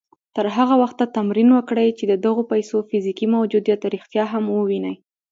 تر هغه وخته تمرين وکړئ چې د دغو پيسو فزيکي موجوديت رښتيا هم ووينئ.